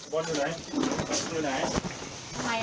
บอลอยู่ไหน